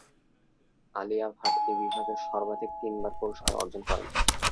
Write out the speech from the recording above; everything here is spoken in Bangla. আলিয়া ভাট এই বিভাগে সর্বাধিক তিনবার পুরস্কার অর্জন করেন।